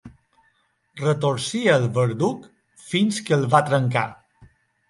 Retorcia el verduc fins que el va trencar.